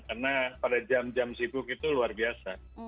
karena pada jam jam sibuk itu luar biasa